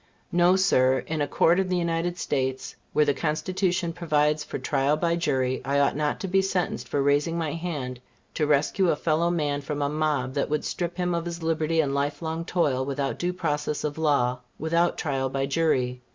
No sir; in a Court of the United States, where the Constitution provides for trial by jury, I ought not to be sentenced for raising my hand to rescue a fellow man from a mob that would strip him of his liberty and life long toil without due process of law, without trial by jury.